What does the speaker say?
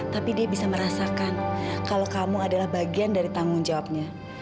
tapi dia bisa merasakan kalau kamu adalah bagian dari tanggung jawabnya